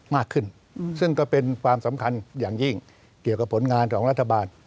มากขึ้นซึ่งก็เป็นความสำคัญอย่างยิ่งเกี่ยวกับผลงานของรัฐบาล